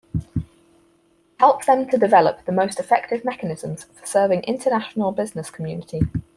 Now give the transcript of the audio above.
It helps them to develop the most effective mechanisms for serving international business community.